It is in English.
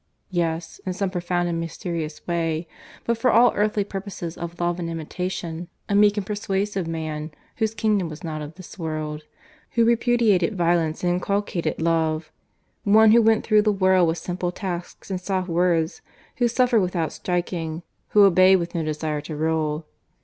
yes, in some profound and mysterious way, but, for all earthly purposes of love and imitation, a meek and persuasive Man whose kingdom was not of this world, who repudiated violence and inculcated love; One who went through the world with simple tasks and soft words, who suffered without striking, who obeyed with no desire to rule.